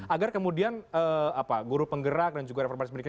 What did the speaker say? agar kemudian guru penggerak dan juga reformasi pendidikan